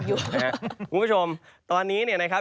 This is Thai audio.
คุณผู้ชมตอนนี้เนี่ยนะครับ